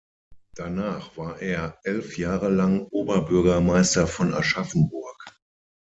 Danach war er elf Jahre lang Oberbürgermeister von Aschaffenburg.